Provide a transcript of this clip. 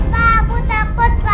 pa aku takut pa